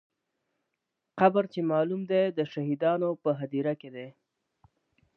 قبر چې معلوم دی، د شهیدانو په هدیره کې دی.